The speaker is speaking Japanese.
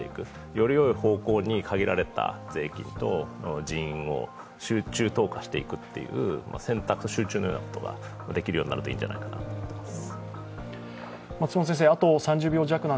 よりよい方向に限られた税金と人員を集中投下していくというようなことができるようになるといいんじゃないかと思っています。